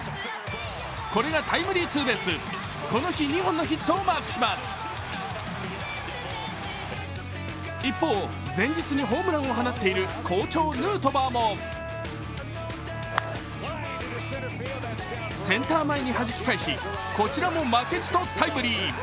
これがタイムリーツーベース、この日２本のヒットをマークします一方、前日にホームランを放っている好調・ヌートバーもセンター前にはじき返し、こちらも負けじとタイムリー。